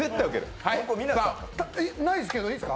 もうないですけど、いいですか？